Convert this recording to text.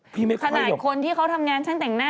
พี่ไม่เคยหรอกสนัดคนที่เขาทำงานช่างแต่งหน้า